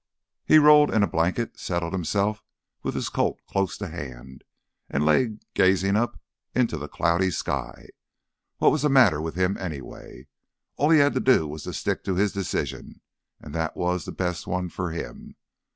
He rolled in a blanket, settled himself with his Colt close to hand, and lay gazing up into the cloudy sky. What was the matter with him, anyway? All he had to do was stick to his decision. And that was the best one for him.